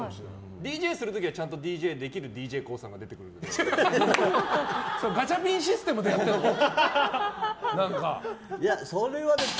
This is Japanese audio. ＤＪする時はちゃんとＤＪできるＤＪＫＯＯさんが出てくるんですか？